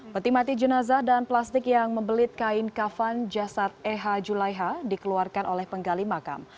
peti mati jenazah dan plastik yang membelit kain kafan jasad eha julaiha dikeluarkan oleh penggali makam